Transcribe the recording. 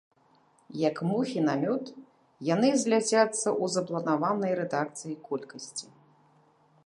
Як мухі на мёд, яны зляцяцца ў запланаванай рэдакцыяй колькасці.